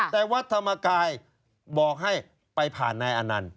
แต่วัดธรรมกายบอกให้ไปผ่านนายอนันต์